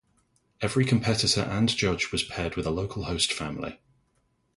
Every competitor and judge was paired with a local host family.